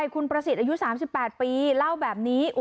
คุณประสิทธิ์อายุ๓๘ปีเล่าแบบนี้